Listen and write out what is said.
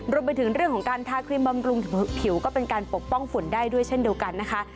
รวมไปถึงเรื่องของการทาครีมบำรุงผิวก็เป็นการปกป้องฝุ่นได้ด้วยเช่นเดียวกันนะคะ